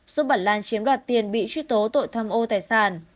giúp bảy lan chiếm đoạt tiền bị truy tố tội thăm ô tài sản